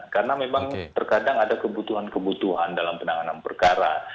karena memang terkadang ada kebutuhan kebutuhan dalam penanganan perkara